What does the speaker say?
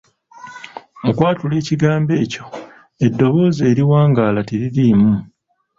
Mu kwatula kw'ekigambo ekyo eddoboozi eriwangaala teririimu.